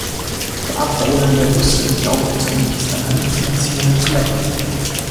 Der abweisende Russell glaubt zunächst, an Halluzinationen zu leiden.